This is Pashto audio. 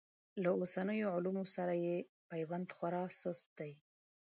له اوسنیو علومو سره یې پیوند خورا سست دی.